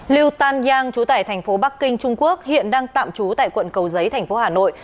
lưu tan yang trú tại thành phố bắc kinh trung quốc hiện đang tạm trú tại quận cầu giấy thành phố hà nội